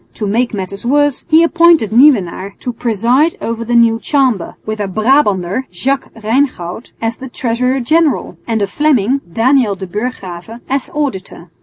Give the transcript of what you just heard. To make matters worse, he appointed Nieuwenaar to preside over the new Chamber, with a Brabanter, Jacques Reingoud, as treasurer general, and a Fleming, Daniel de Burchgrave, as auditor.